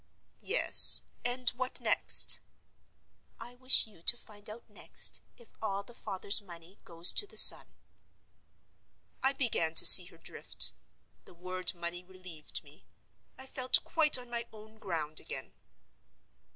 "Yes. And what next?" "I wish you to find out next if all the father's money goes to the son." I began to see her drift. The word money relieved me; I felt quite on my own ground again.